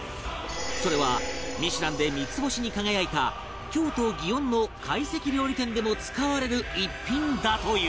それは『ミシュラン』で三つ星に輝いた京都園の懐石料理店でも使われる一品だという